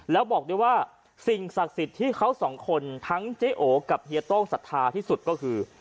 แล้วบอกด้วยว่าสิ่งศักดิ์สิทธิ์ที่เขาสองคนทั้งเจ๊โอกับเฮียโต้งศรัทธาที่สุดก็คือ